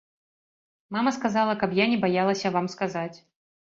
Мама сказала, каб я не баялася вам сказаць.